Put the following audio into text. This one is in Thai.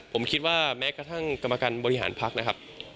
ผมคิดว่าแม้กระทั่งกรรมการบริหารพักนะครับ